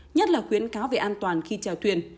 nhất là khuyến cáo về an toàn khi trèo thuyền